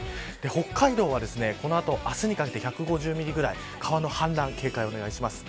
北海道はこの後、明日にかけて１５０ミリぐらい川の氾濫に警戒をお願いします。